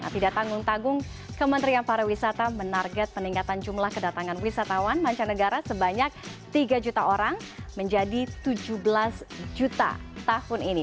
tidak tanggung tanggung kementerian pariwisata menarget peningkatan jumlah kedatangan wisatawan mancanegara sebanyak tiga juta orang menjadi tujuh belas juta tahun ini